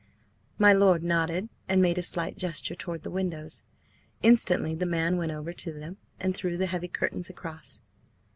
My lord nodded, and made a slight gesture toward the windows. Instantly the man went over to them and drew the heavy curtains across.